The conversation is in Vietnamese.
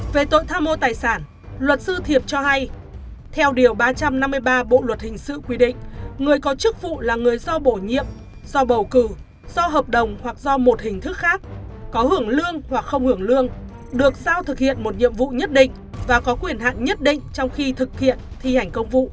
về tội tham mô tài sản luật sư thiệp cho hay